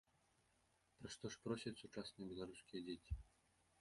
Пра што ж просяць сучасныя беларускія дзеці?